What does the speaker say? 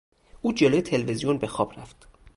او جلو تلویزیون به خواب رفت.